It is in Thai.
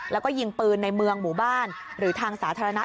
แล้วก็ยิงปืนในเมืองหมู่บ้านหรือทางสาธารณะ